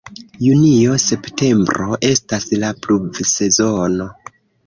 Junio-septembro estas la pluvsezono.